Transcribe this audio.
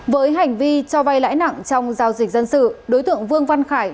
với hành vi cho vay lãi nặng trong giao dịch dân sự đối tượng vương văn khải